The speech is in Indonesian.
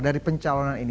dari pencalonan ini